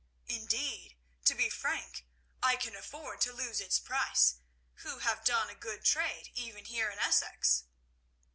Indeed, to be frank, I can afford to lose its price, who have done a good trade, even here in Essex."